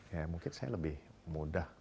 ya mungkin saya lebih mudah